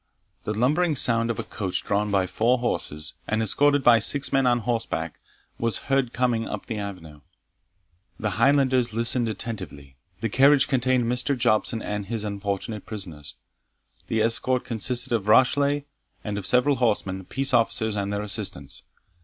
The lumbering sound of a coach drawn by four horses, and escorted by six men on horseback, was heard coming up the avenue. The Highlanders listened attentively. The carriage contained Mr. Jobson and his unfortunate prisoners. The escort consisted of Rashleigh, and of several horsemen, peace officers and their assistants.